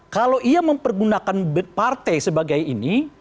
kalau ia mempergunakan partai sebagai ini